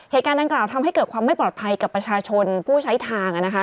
เหตุการณ์ดังกล่าวทำให้เกิดความไม่ปลอดภัยกับประชาชนผู้ใช้ทางนะคะ